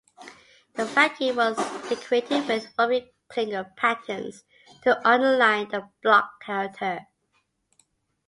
The facade was decorated with rhombic clinker patterns to underline the block character.